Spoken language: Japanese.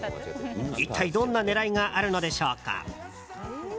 一体どんな狙いがあるのでしょうか？